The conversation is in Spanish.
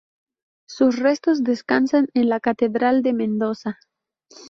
Sus restos descansan en la Catedral de Mendoza.